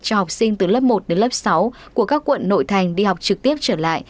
cho học sinh từ lớp một đến lớp sáu của các quận nội thành đi học trực tiếp trở lại